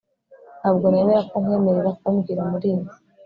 ntabwo nemera ko nkwemerera kumbwira muri ibi